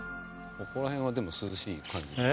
ここら辺はでも涼しい感じ